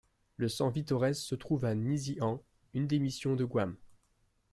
Le San Vitores se trouve à Nisihan, une des missions de Guam.